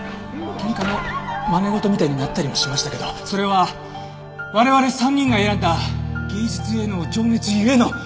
喧嘩のまね事みたいになったりもしましたけどそれは我々３人が選んだ芸術への情熱ゆえの。